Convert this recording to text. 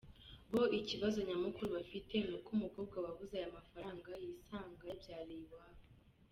Bo ikibazo nyamukuru bafite ni uko umukobwa wabuze aya mafaranga, yisanga yabyariye iwabo.